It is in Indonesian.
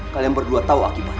kalian berdua tau akibatnya